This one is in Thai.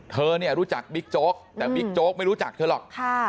เธอเนี่ยรู้จักบิ๊กโจ๊กแต่บิ๊กโจ๊กไม่รู้จักเธอหรอก